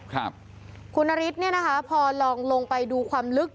ครับคุณนฤทธิเนี่ยนะคะพอลองลงไปดูความลึก